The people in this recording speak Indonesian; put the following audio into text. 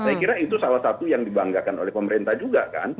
saya kira itu salah satu yang dibanggakan oleh pemerintah juga kan